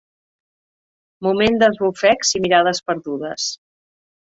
Moment d'esbufecs i mirades perdudes.